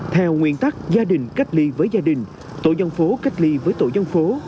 theo nguyên tắc gia đình cách ly với gia đình tổ dân phố cách ly với tổ dân phố